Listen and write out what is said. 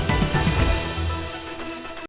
terima kasih banyak